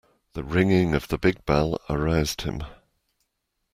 The ringing of the big bell aroused him.